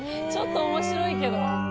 ちょっと面白いけど。